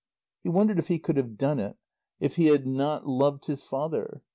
He wondered if he could have done it if he had not loved his father?